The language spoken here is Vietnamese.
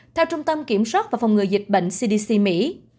theo trung tâm kiểm soát và phòng ngừa dịch bệnh cdc mỹ